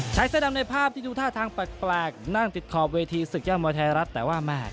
ชายเสื้อดำในภาพที่ดูท่าทางแปลกนั่งติดขอบเวทีศึกยอดมวยไทยรัฐแต่ว่าแม่